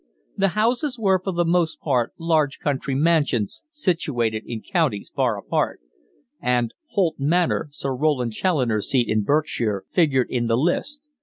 The houses were for the most part large country mansions situated in counties far apart, and "Holt Manor, Sir Roland Challoner's seat in Berkshire," figured in the list.